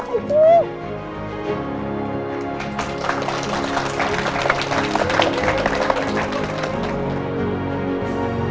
pertunjukan kita berhasil pak